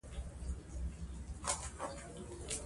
نارېنه ته دوه ميرمني ښې دي، خو چې څوک انصاف کوي